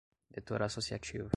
vetor associativo